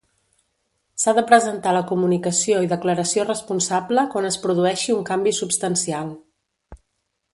S'ha de presentar la comunicació i declaració responsable quan es produeixi un canvi substancial.